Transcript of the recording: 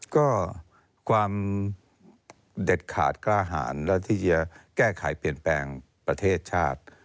ก็ความเด็ดขาดกล้าหารและที่จะแก้ไขเปลี่ยนแปลงประเทศชาติ